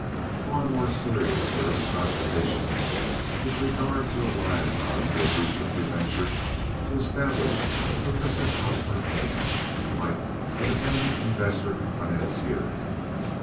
Far more serious were his cogitations with regard to a liaison he had recently ventured to establish with Mrs. Hosmer Hand, wife of an eminent investor and financier.